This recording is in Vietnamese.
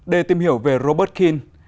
để tìm hiểu về robert kean